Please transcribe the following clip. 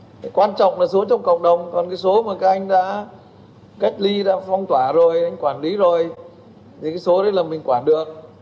cái quan trọng là số trong cộng đồng còn cái số mà các anh đã cách ly đã phong tỏa rồi anh quản lý rồi thì cái số đấy là mình quản được